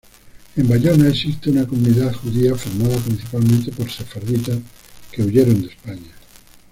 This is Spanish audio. En Bayona existe una comunidad judía formada principalmente por sefarditas que huyeron de España.